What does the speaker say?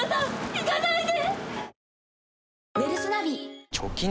行かないで。